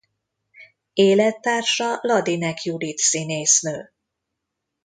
Élettársa Ladinek Judit színésznő.